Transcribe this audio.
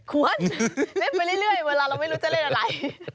เล่นไปเรื่อยเวลาเราไม่รู้จะเล่นอะไร